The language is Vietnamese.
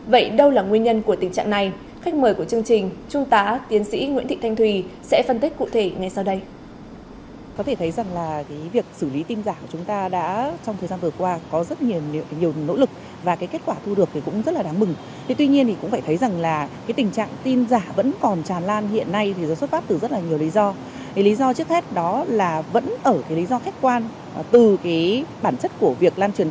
vậy đâu là nguyên nhân của tình trạng này khách mời của chương trình trung tá tiến sĩ nguyễn thị thanh thùy sẽ phân tích cụ thể ngay sau đây